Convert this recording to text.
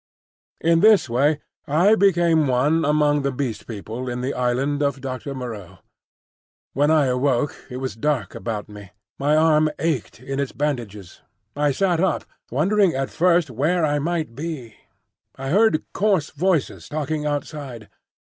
In this way I became one among the Beast People in the Island of Doctor Moreau. When I awoke, it was dark about me. My arm ached in its bandages. I sat up, wondering at first where I might be. I heard coarse voices talking outside.